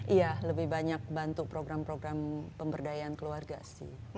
iya lebih banyak bantu program program pemberdayaan keluarga sih